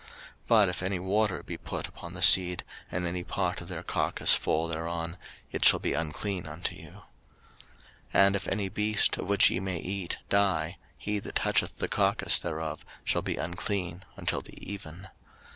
03:011:038 But if any water be put upon the seed, and any part of their carcase fall thereon, it shall be unclean unto you. 03:011:039 And if any beast, of which ye may eat, die; he that toucheth the carcase thereof shall be unclean until the even.